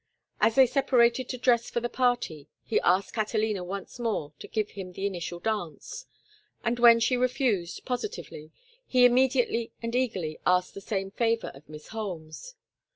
As they separated to dress for the party he asked Catalina once more to give him the initial dance, and when she refused, positively, he immediately and eagerly asked the same favor of Miss Holmes.